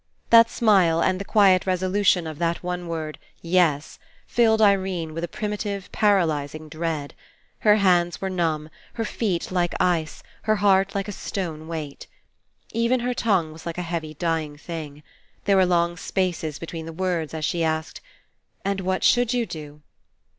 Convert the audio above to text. That smile and the quiet resolution of 196 FINALE that one word, ''yes," filled Irene with a primitive paralysing dread. Her hands were numb, her feet like ice, her heart like a stone weight. Even her tongue was like a heavy dying thing. There were long spaces between the words as she asked: "And what should you do?"